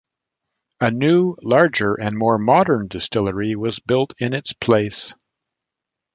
A new, larger and more modern distillery was built in its place.